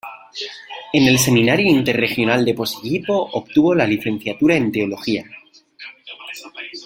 En el Seminario Interregional de Posillipo obtuvo la licenciatura en teología.